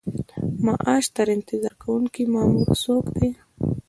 معاش ته انتظار کوونکی مامور څوک دی؟